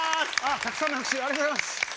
たくさんの拍手ありがとうございます！